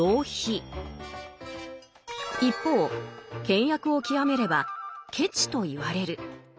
一方倹約を極めれば「ケチ」と言われる。